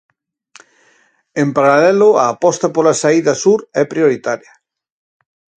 En paralelo, a aposta pola saída sur é prioritaria.